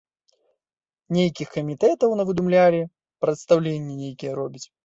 Нейкіх камітэтаў навыдумлялі, прадстаўленні нейкія робяць.